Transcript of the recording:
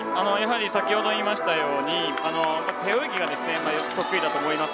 先程言いましたように背泳ぎが得意だと思います。